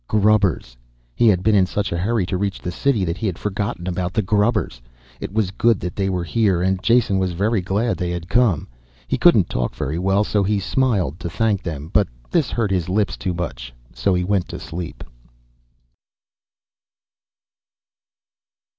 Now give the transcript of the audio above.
Grubbers. He had been in such a hurry to reach the city that he had forgotten about the grubbers. It was good that they were here and Jason was very glad they had come. He couldn't talk very well, so he smiled to thank them. But this hurt his lips too much so he went to sleep.